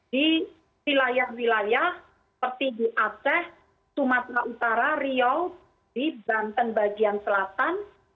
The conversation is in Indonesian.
di wilayah wilayah seperti di aceh sumatera utara riau di banten bagian selatan